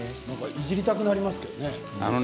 何かいじりたくなりますけどね。